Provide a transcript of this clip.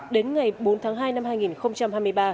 đến ngày bốn tháng hai năm hai nghìn hai mươi ba